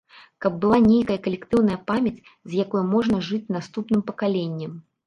Каб была нейкая калектыўная памяць, з якой можна жыць наступным пакаленням.